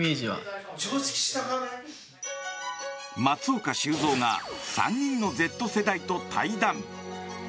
松岡修造が３人のＺ世代と対談。